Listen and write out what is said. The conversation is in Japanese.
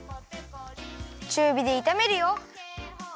ちゅうびでいためるよ。